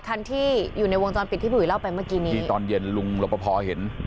คันที่อยู่ในวงจรปิดที่พี่อุ๋เล่าไปเมื่อกี้นี้ที่ตอนเย็นลุงรบพอเห็น